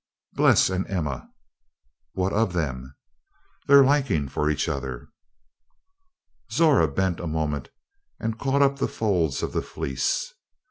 "Bles and Emma." "What of them?" "Their liking for each other." Zora bent a moment and caught up the folds of the Fleece.